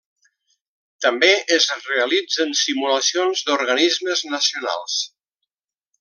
També es realitzen simulacions d'organismes nacionals.